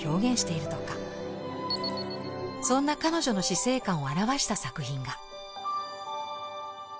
そんな彼女の死生観を表した作品が。